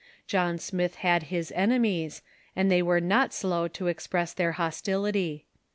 John Smith had his enemies, and they Avere not slow to express their hostility.